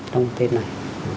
trong tết này